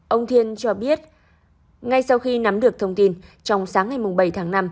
ông thiên cho biết ngay sau khi nắm được thông tin trong sáng ngày bảy tháng năm